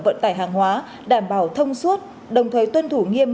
vận tải hàng hóa đảm bảo thông suốt đồng thời tuân thủ nghiêm